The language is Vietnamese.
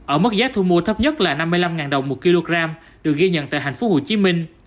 ở mức giá thu mua thấp nhất là năm mươi năm đồng một kg được ghi nhận tại thành phố hồ chí minh